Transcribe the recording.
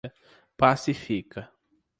Passa-e-Fica